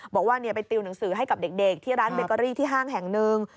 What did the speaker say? บอกว่าไปติวหนังสือให้กับเด็กที่ร้านเบเกอรี่ที่ห้างแห่งหนึ่ง